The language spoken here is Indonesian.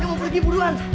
kamu pergi buruan